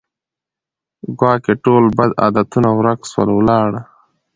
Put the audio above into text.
ګواکي ټول بد عادتونه ورک سول ولاړه